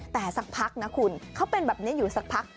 แต่สักพักนะคุณเขาเป็นแบบนี้อยู่สักพัก